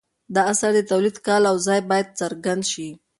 د اثر د تولید کال او ځای باید څرګند شي.